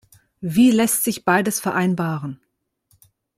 Wie lässt sich beides vereinbaren?